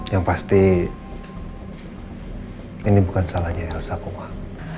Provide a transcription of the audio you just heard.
yang pasti ini bukan salahnya elsa kumah